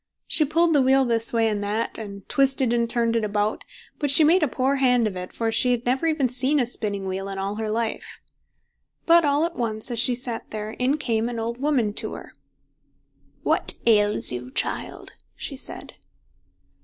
She pulled the wheel this way and that, and twisted and turned it about, but she made a poor hand of it, for she had never even seen a spinning wheel in her life. But all at once, as she sat there, in came an old woman to her. "What ails you, child?" she said.